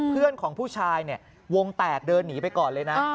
เพื่อนของผู้ชายเนี่ยวงแตกเดินหนีไปก่อนเลยนะ